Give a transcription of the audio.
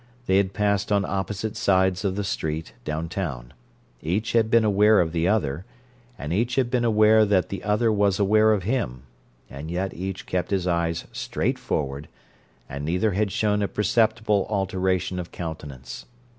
They had passed on opposite sides of the street, downtown; each had been aware of the other, and each had been aware that the other was aware of him, and yet each kept his eyes straight forward, and neither had shown a perceptible alteration of countenance.